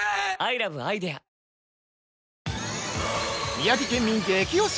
◆宮城県民激推し！